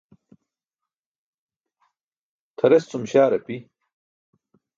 Tʰares cum śaar api.